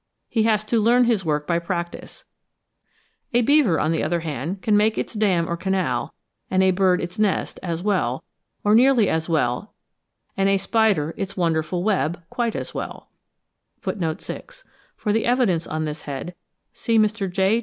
He has to learn his work by practice; a beaver, on the other hand, can make its dam or canal, and a bird its nest, as well, or nearly as well, and a spider its wonderful web, quite as well (6. For the evidence on this head, see Mr. J.